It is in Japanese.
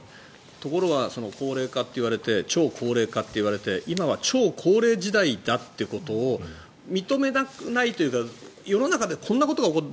ところが、高齢化といわれて超高齢化といわれて今は超高齢時代だっていうことを認めたくないというか世の中でこんなことが起こってる。